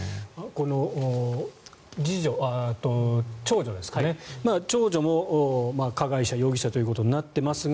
この長女ですかね長女も加害者、容疑者ということになっていますが